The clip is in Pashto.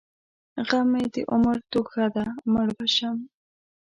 غم مې د عمر توښه ده؛ مړ به شم.